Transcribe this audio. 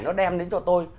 nó đem đến cho tôi